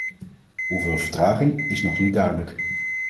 Hoeveel vertraging is nog niet duidelijk.